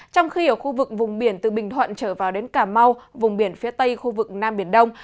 trong khi ở khu vực vùng biển từ bình thuận trở vào đến cà mau vùng biển phía tây khu vực nam biển đông